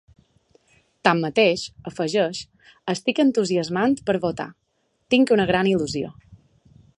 Tanmateix, afegeix: Estic entusiasmant per votar, tinc una gran il·lusió.